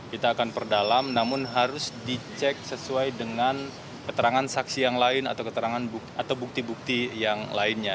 kita akan perdalam namun harus dicek sesuai dengan keterangan saksi yang lain atau keterangan atau bukti bukti yang lainnya